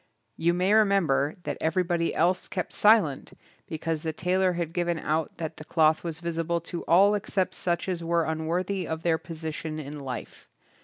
You may remember that everybody else kept silent because the tailor had given out that the cloth was visible to all except such as were unworthy of their position in life.